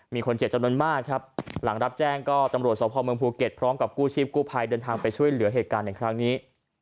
มีคนเจ็บจำนวนมากครับหลังรับแจ้งก็ตำรวจสพเมืองภูเก็ตพร้อมกับกู้ชีพกู้ภัยเดินทางไปช่วยเหลือเหตุการณ์ในครั้งนี้